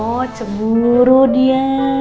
oh cemburu dia